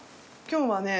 今日はね